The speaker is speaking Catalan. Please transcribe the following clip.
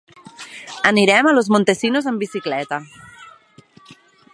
Anirem a Los Montesinos amb bicicleta.